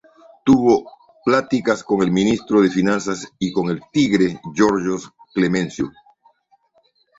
Tuvo pláticas con el ministro de finanzas y con "El Tigre", Georges Clemenceau.